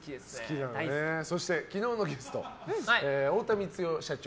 そして昨日のゲスト太田光代社長。